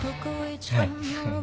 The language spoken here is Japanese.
はい。